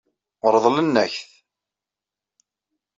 Ṛeḍlen-ak-t.